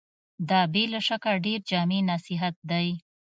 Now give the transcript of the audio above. دا بې له شکه ډېر جامع نصيحت دی.